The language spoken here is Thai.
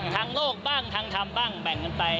ทางโลกบ้างทางธรรมบ้างแบ่งกันไป